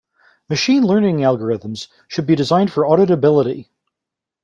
Machine Learning algorithms should be designed for auditability.